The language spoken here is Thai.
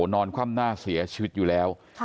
นอนคว่ำหน้าเสียชีวิตอยู่แล้ว